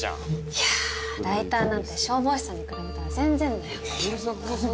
いやぁライターなんて消防士さんに比べたら全然だよ。